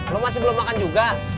lo masih belum makan juga